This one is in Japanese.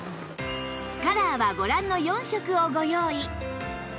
カラーはご覧の４色をご用意